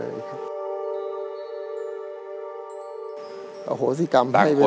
เอาโหสิครับเอาไปเลย